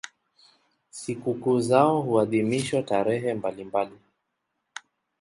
Sikukuu zao huadhimishwa tarehe mbalimbali.